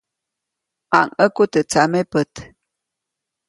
ʼMaŋʼäku teʼ tsamepät.